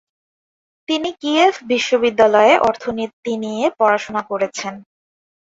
তিনি কিয়েভ বিশ্ববিদ্যালয়ে অর্থনীতি নিয়ে পড়াশোনা করেছেন।